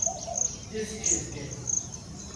Düz çizgi.